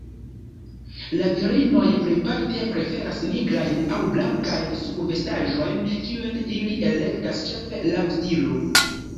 La virinoj plejparte preferas nigrajn aŭ blankajn subvestaĵojn, kiujn ili elektas ĉefe laŭ stilo.